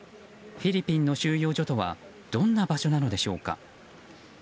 フィリピンの収容所とはどんな場所なのでしょうか。